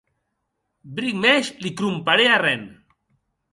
Bric mès li cromparè arren.